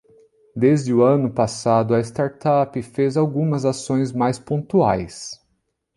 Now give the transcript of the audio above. Desde o ano passado a startup fez algumas ações mais pontuais